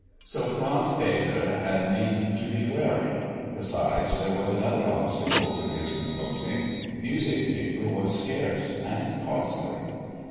So Franz Peter had need to be wary. Besides, there was another obstacle to his composing. Music paper was scarce and costly.